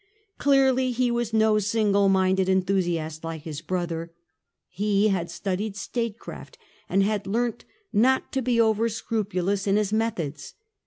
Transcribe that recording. Clearly he was no single minded enthusiast like his brother. He had studied statecraft, and had leamt not to be over scrupulous in Ms methods.